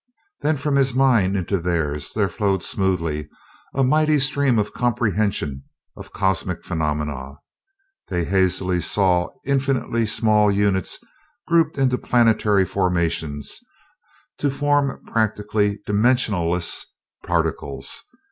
Then from his mind into theirs there flowed smoothly a mighty stream of comprehension of cosmic phenomena. They hazily saw infinitely small units grouped into planetary formations to form practically dimensionless particles.